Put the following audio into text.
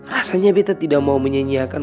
rasanya bita tidak mau menyanyiakan